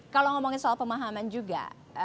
kalau ngomongin soal pemahaman juga